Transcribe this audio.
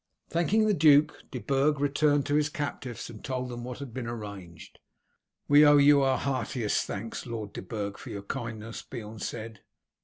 Thanking the duke, De Burg returned to his captives and told them what had been arranged. "We owe you our heartiest thanks, Lord de Burg, for your kindness," Beorn said.